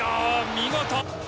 見事。